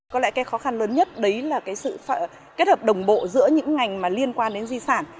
có lẽ cái khó khăn lớn nhất đấy là cái sự kết hợp đồng bộ giữa những ngành liên quan đến di sản